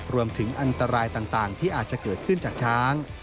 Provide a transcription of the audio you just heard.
อันตรายต่างที่อาจจะเกิดขึ้นจากช้าง